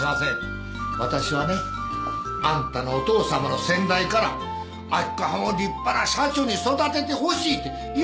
わたしはねあんたのお父さまの先代から明子はんを立派な社長に育ててほしいって言われたの！